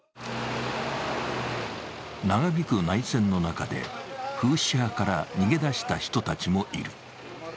長引く内戦の中で、フーシ派から逃げ出した人たちもいる。